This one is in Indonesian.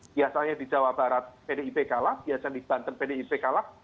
biasanya di jawa barat pdip kalah biasanya di banten pdip kalah